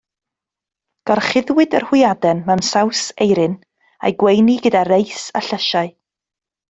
Gorchuddiwyd yr hwyaden mewn saws eirin, a'i gweini gyda reis a llysiau.